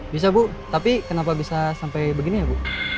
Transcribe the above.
bisa bu tapi kenapa bisa sampai begini ya bu